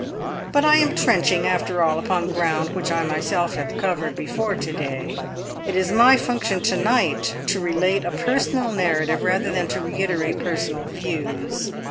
But I am trenching after all upon ground which I myself have covered before to day; it is my function to night to relate a personal narrative rather than to reiterate personal views.